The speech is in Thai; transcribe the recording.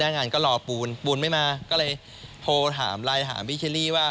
งานก็รอปูนปูนไม่มาก็เลยโทรถามไลน์ถามพี่เชอรี่ว่า